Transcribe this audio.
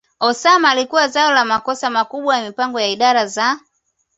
Osama alikuwa zao la makosa makubwa ya mipango ya idara za